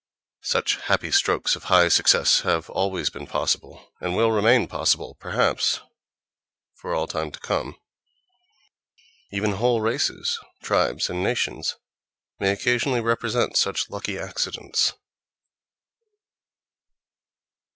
Such happy strokes of high success have always been possible, and will remain possible, perhaps, for all time to come. Even whole races, tribes and nations may occasionally represent such lucky accidents.